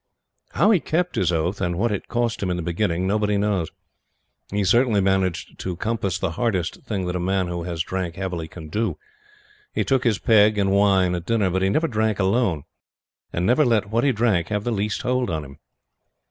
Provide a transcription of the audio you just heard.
How he kept his oath, and what it cost him in the beginning, nobody knows. He certainly managed to compass the hardest thing that a man who has drank heavily can do. He took his peg and wine at dinner, but he never drank alone, and never let what he drank have the least hold on him.